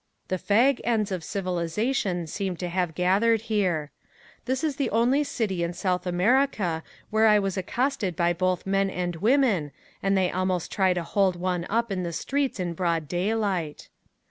The fag ends of civilization seem to have gathered here. This is the only city in South America where I was accosted by both men and women and they almost try to hold one up in the streets in broad daylight.